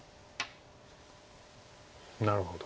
なるほど。